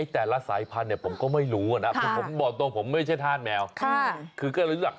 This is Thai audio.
แต่ละสายพันธุ์เนี่ยผมก็ไม่รู้นะคือผมบอกตรงผมไม่ใช่ธาตุแมวคือก็รู้จัก